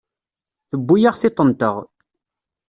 Tewwi-aɣ tiṭ-nteɣ.